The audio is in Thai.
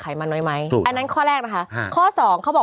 อาหารที่ว่ายังเล็ก